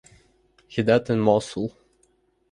He died in Mosul.